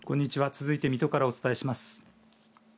続いて水戸からお伝えします。